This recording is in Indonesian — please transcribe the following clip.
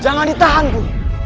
jangan ditahan guru